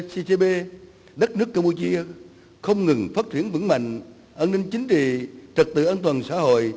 ccb đất nước campuchia không ngừng phát triển vững mạnh an ninh chính trị trật tự an toàn xã hội